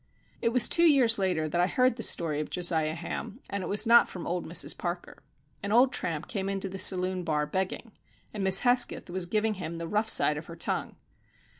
It was two years later that I heard the story of Josiah Ham, and it was not from old Mrs Parker. An old tramp came into the saloon bar begging, and Miss Hesketh was giving him the rough side of her tongue.